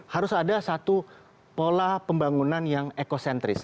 harus ada satu pola pembangunan yang ekocentris